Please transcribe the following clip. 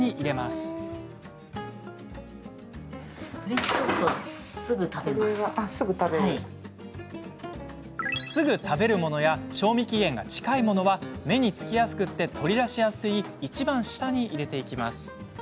すぐ食べるものや賞味期限が近いものは目に付きやすく取り出しやすいいちばん下に入れていきます。